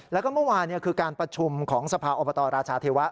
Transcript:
แล้วก็เมื่อวานคือการประชุมของสภาอบตราชาเทวะ